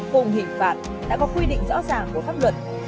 cùng hình phạt đã có quy định rõ ràng của pháp luật